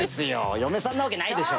嫁さんなわけないでしょ。